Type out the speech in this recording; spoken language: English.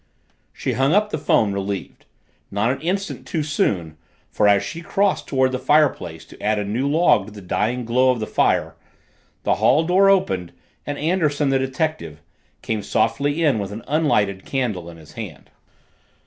She hung up the phone, relieved not an instant too soon, for, as she crossed toward the fireplace to add a new log to the dying glow of the fire, the hall door opened and Anderson, the detective, came softly in with an unlighted candle in his hand.